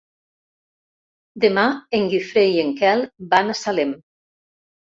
Demà en Guifré i en Quel van a Salem.